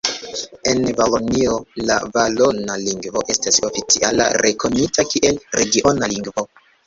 En Valonio la valona lingvo estas oficiala rekonita kiel regiona lingvo.